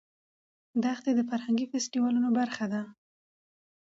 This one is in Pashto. دښتې د فرهنګي فستیوالونو برخه ده.